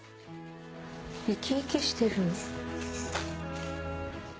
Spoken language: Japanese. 生き生きしてる。